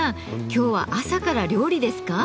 今日は朝から料理ですか？